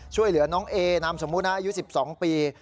ช่วยเหลือน้องเอนามสมมุติอายุ๑๒ปี